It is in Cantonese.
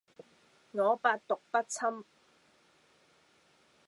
我百毒不侵